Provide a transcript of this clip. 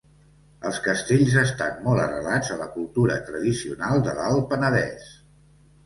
Els castells estan molt arrelats a la cultura tradicional de l'Alt Penedès.